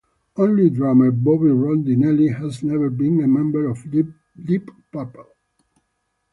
Only drummer Bobby Rondinelli has never been a member of Deep Purple.